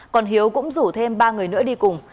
còn hiếu cũng rủ thêm ba người nữa đi cùng